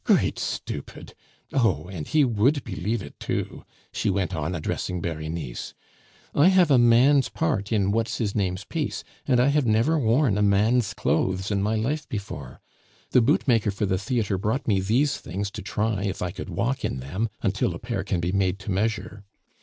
great stupid! Oh! and he would believe it too," she went on, addressing Berenice. "I have a man's part in What's his name's piece, and I have never worn a man's clothes in my life before. The bootmaker for the theatre brought me these things to try if I could walk in them, until a pair can be made to measure.